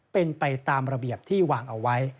เป็นไปตามระเบียบที่วางเอาไว้